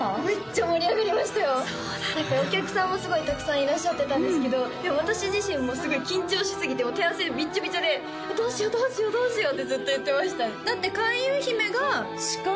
お客さんもすごいたくさんいらっしゃってたんですけどで私自身もすごい緊張しすぎてもう手汗ビッチャビチャでどうしようどうしようどうしようってずっと言ってましたねだって開運姫が司会？